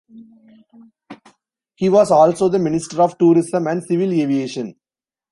He was also the minister of tourism and civil aviation.